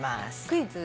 クイズ？